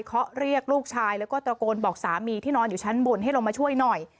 เขาเรียกลูกชายแล้วก็ตะโกนบอกสามีที่นอนอยู่ชั้นบนให้ลงมาช่วยหน่อย